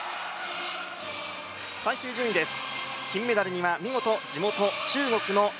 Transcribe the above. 最終順位です。